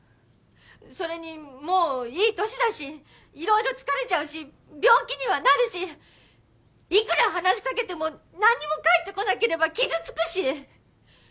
それにもういい年だし色々疲れちゃうし病気にはなるしいくら話し掛けても何にも返ってこなければ傷つくし！